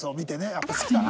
やっぱ好きだなって。